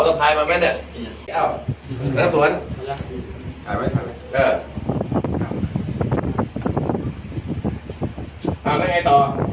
ถ่ายไว้ไงต่อ